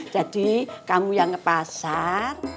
jadi kamu yang ngepasar